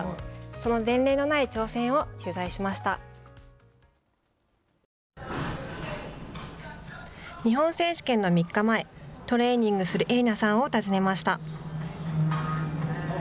その前例のない挑戦を日本選手権の３日前トレーニングする英理菜さんを訪ねました。